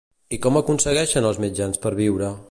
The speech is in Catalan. I com aconsegueixen els mitjans per viure?